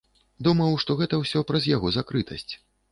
Думаў, што гэта ўсё праз яго закрытасць.